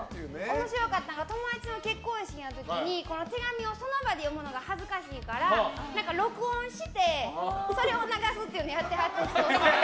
面白かったのが友達の結婚式の時に手紙をその場で読むのが恥ずかしいから録音してそれを流すっていうのやってはって。